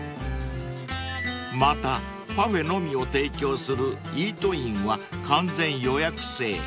［またパフェのみを提供するイートインは完全予約制］